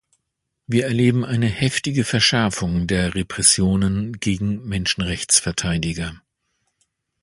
Wir erleben eine heftige Verschärfung der Repressionen gegen Menschenrechtsverteidiger.